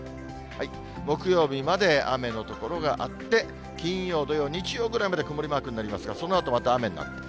木曜日まで雨の所があって、金曜、土曜、日曜ぐらいまで曇りマークになりますが、そのあとまた雨になる。